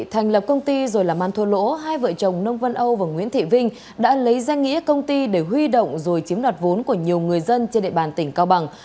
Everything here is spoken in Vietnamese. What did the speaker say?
thành lập công ty rồi là man thua lỗ hai vợ chồng nông vân âu và nguyễn thị vinh đã lấy danh nghĩa công ty để huy động rồi chiếm đoạt vốn của nhiều người dân trên địa bàn tỉnh cao bằng